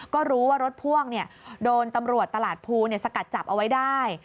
ก็รู้ว่ารถพ่วงโดนตำรวจตลาดภูสกัดจับเอาไว้ได้